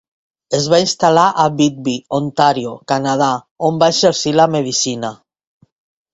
Es va instal·lar a Whitby, Ontario, Canadà, on va exercir la medicina.